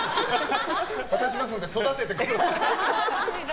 渡しますので育ててください。